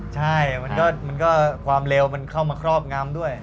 ใช่มันก็ความเร็วมันเข้ามาครอบงำด้วย